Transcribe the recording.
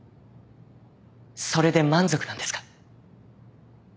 それで満足なんですか？